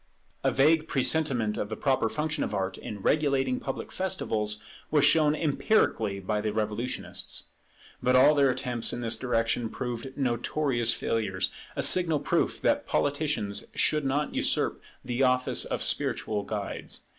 A vague presentiment of the proper function of Art in regulating public festivals was shown empirically by the Revolutionists. But all their attempts in this direction proved notorious failures; a signal proof that politicians should not usurp the office of spiritual guides.